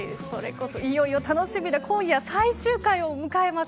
いよいよ楽しみな今夜、最終回を迎えます。